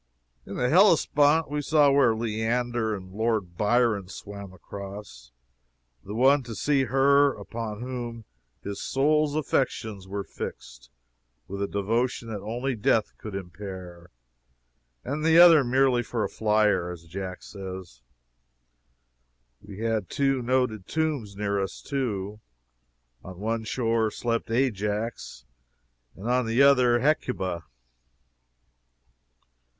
In the Hellespont we saw where Leander and Lord Byron swam across, the one to see her upon whom his soul's affections were fixed with a devotion that only death could impair, and the other merely for a flyer, as Jack says. We had two noted tombs near us, too. On one shore slept Ajax, and on the other Hecuba.